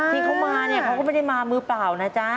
ที่เขามาเนี่ยเขาก็ไม่ได้มามือเปล่านะจ๊ะ